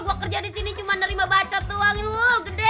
gua kerja di sini cuma nerima bacot uang lul gede